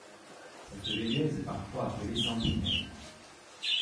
Cette veilleuse est parfois appelée sentinelle.